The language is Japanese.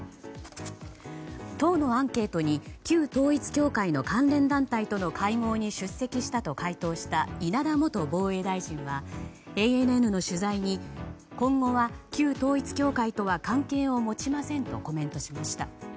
党のアンケートに旧統一教会の関連団体との会合に出席したと回答した稲田元防衛大臣はＡＮＮの取材に今後は旧統一教会とは関係を持ちませんとコメントしました。